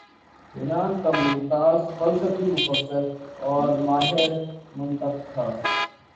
یونان کا ممتاز فلسفی مفکر اور ماہر منطق تھا